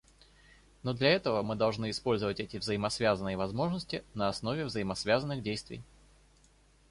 Но для этого мы должны использовать эти взаимосвязанные возможности на основе взаимосвязанных действий.